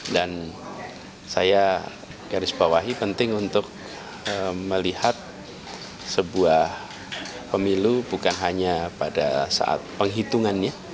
dan saya garis bawahi penting untuk melihat sebuah pemilu bukan hanya pada saat penghitungannya